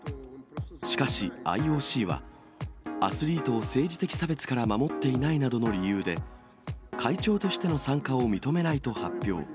しかし、ＩＯＣは、アスリートを政治的差別から守っていないなどの理由で、会長としての参加を認めないと発表。